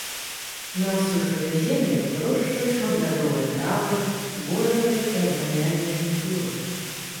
На асушаных землях вырошчваюць шматгадовыя травы, збожжавыя і абганяльныя культуры.